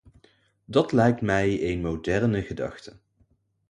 Dat lijkt mij een moderne gedachte.